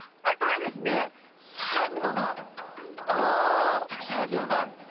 あとはですねサンゴがたくさんあるような。